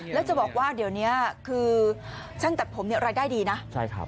แล้วจะบอกว่าเดี๋ยวนี้คือช่างตัดผมเนี่ยรายได้ดีนะใช่ครับ